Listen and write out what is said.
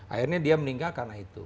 akhirnya dia meninggal karena itu